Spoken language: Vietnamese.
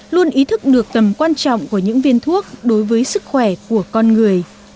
luôn ý thức được tầm quan trọng của những viên thuốc đối với sức khỏe của con người